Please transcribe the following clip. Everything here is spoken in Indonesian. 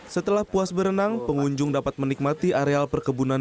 setelah puas berenang pengunjung dapat menikmati areal perkebunan